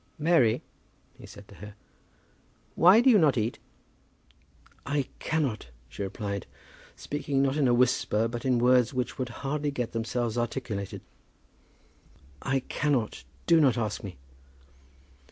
"Mary," he said to her, "why do you not eat?" "I cannot," she replied, speaking not in a whisper, but in words which would hardly get themselves articulated. "I cannot. Do not ask me."